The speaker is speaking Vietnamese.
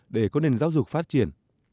để có nền giáo dục phát triển